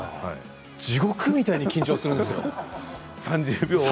地獄みたいに緊張するんですよ。